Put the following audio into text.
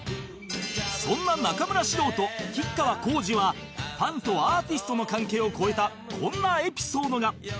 そんな中村獅童と吉川晃司はファンとアーティストの関係を超えたこんなエピソードが